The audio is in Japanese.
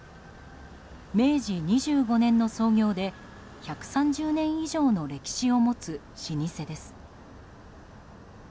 明治２５年の創業で１３０年以上の歴史を持つ老舗です。